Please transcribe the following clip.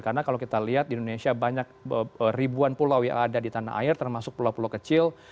karena kalau kita lihat di indonesia banyak ribuan pulau yang ada di tanah air termasuk pulau pulau kecil